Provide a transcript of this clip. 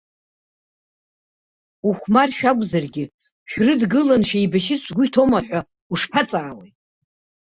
Ухәмаршәа акәзаргьы шәрыдгыланы шәеибашьырц шәгәы иҭоума ҳәа ушԥаҵаауеи!